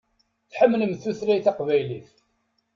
Tḥemmlemt tutlayt taqbaylit.